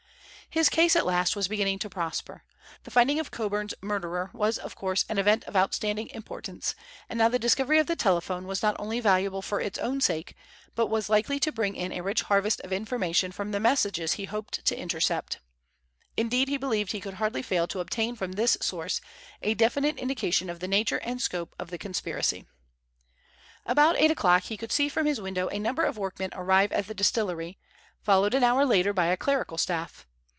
His case at last was beginning to prosper. The finding of Coburn's murderer was of course an event of outstanding importance, and now the discovery of the telephone was not only valuable for its own sake, but was likely to bring in a rich harvest of information from the messages he hoped to intercept. Indeed he believed he could hardly fail to obtain from this source a definite indication of the nature and scope of the conspiracy. About eight o'clock he could see from his window a number of workmen arrive at the distillery, followed an hour later by a clerical staff.